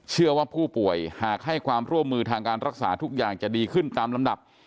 เชื่อว่าผู้ป่วยหากให้ความร่วมมือทางการรักษาทุกอย่างจะดีขึ้นตามลำดับ